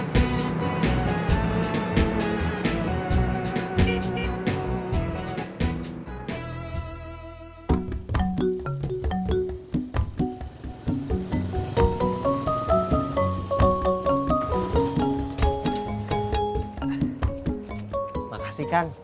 terima kasih kang